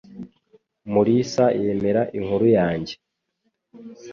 Mulisa yemera inkuru yanjye.